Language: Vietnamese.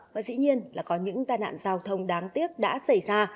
và dĩ nhiên là có những tai nạn giao thông đáng tiếc đã xảy ra